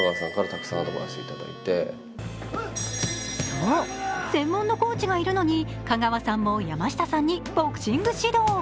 そう、専門のコーチがいるのに香川さんも山下さんにボクシング指導。